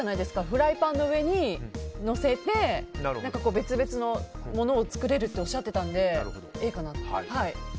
フライパンの上にのせて別々のものを作れるっておっしゃっていたのでＡかなと。